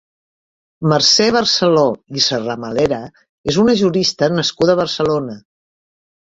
Mercè Barceló i Serramalera és una jurista nascuda a Barcelona.